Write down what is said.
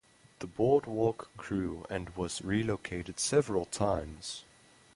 The boardwalk grew and was relocated several times.